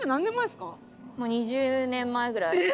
もう２０年前ぐらい。